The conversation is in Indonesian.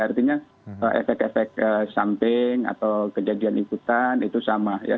artinya efek efek samping atau kejadian ikutan itu sama ya